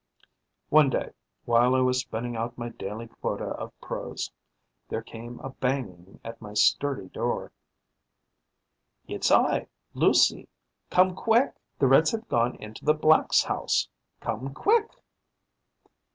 One day, while I was spinning out my daily quota of prose, there came a banging at my study door: 'It's I, Lucie! Come quick: the reds have gone into the blacks' house. Come quick!'